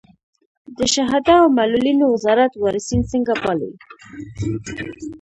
د شهدا او معلولینو وزارت وارثین څنګه پالي؟